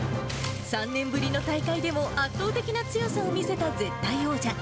３年ぶりの大会でも、圧倒的な強さを見せた絶対王者。